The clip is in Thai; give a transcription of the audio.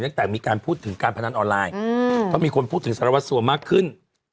ตั้งแต่มีการพูดถึงการพนันออนไลน์ก็มีคนพูดถึงสารวัสสัวมากขึ้น